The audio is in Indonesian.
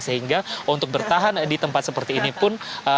sehingga untuk bertahan di tempat seperti ini pun